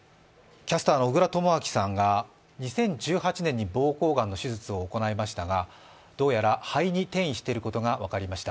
キャスターの小倉智昭さんが２０１８年に膀胱がんの手術を行いましたがどうやら肺に転移していることが分かりました。